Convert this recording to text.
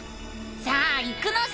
さあ行くのさ！